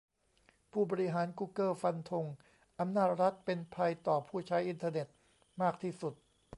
ผู้บริหารกูเกิลฟันธง "อำนาจรัฐ" เป็นภัยต่อผู้ใช้อินเตอร์เน็ตมากที่สุด